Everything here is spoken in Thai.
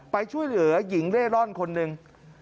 ไปช่วยเหลือหญิงเร่ร่อนคนหนึ่ง